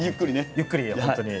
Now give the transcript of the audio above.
ゆっくりで本当に。